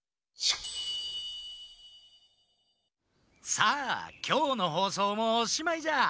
さあきょうのほうそうもおしまいじゃ。